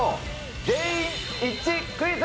全員一致クイズ。